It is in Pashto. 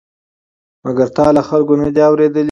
مګر تا له خلکو نه دي اورېدلي؟